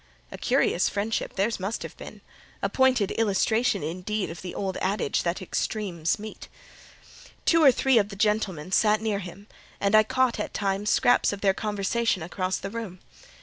A curious friendship theirs must have been: a pointed illustration, indeed, of the old adage that "extremes meet." Two or three of the gentlemen sat near him, and I caught at times scraps of their conversation across the room.